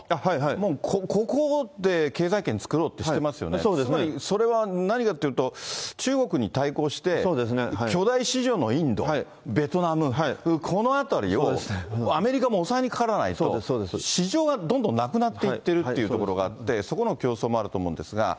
もうここで経済圏作ろうってしてますよね、つまりそれは何かっていうと、中国に対抗して巨大市場のインド、ベトナム、この辺りをアメリカも押さえにかからないと、市場はどんどんなくなっていってるっていうところがあって、そこの競争もあると思うんですが。